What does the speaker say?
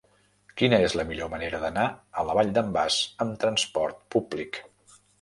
Quina és la millor manera d'anar a la Vall d'en Bas amb trasport públic?